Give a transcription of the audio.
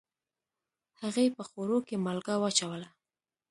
هغې په خوړو کې مالګه واچوله